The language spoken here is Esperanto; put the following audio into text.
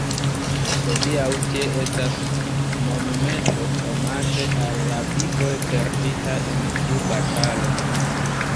Hodiaŭ tie estas monumento omaĝe al la vivoj perditaj en tiu batalo.